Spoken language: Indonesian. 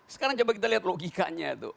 sekarang coba kita lihat logikanya tuh